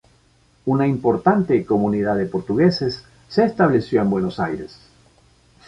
Una importante comunidad de portugueses se estableció en Buenos Aires.